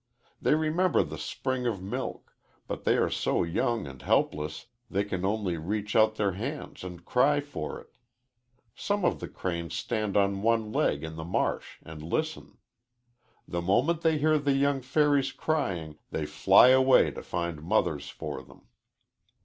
They remember the spring of milk, but they are so young and helpless they can only reach out their hands and cry for it. Some of the cranes stand on one leg in the marsh and listen. The moment they hear the young fairies crying they fly away to find mothers for them.